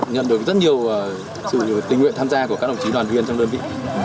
nhận được rất nhiều sự tình nguyện tham gia của các đồng chí đoàn viên trong đơn vị